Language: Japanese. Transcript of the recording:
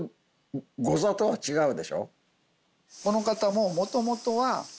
この方も。